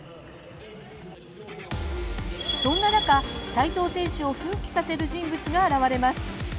そんな中、齋藤選手を奮起させる人物が現れます。